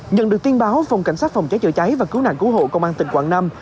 nhận được tin báo phòng cảnh sát phòng cháy chữa cháy và cứu nạn cứu hộ công an tỉnh quảng nam